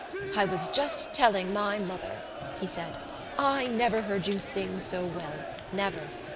"I was just telling my mother," he said, "I never heard you sing so well, never.